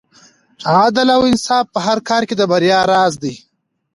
عدل او انصاف په هر کار کې د بریا راز دی.